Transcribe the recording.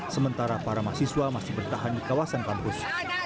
sementara para mahasiswa masih bertahan di kawasan kampus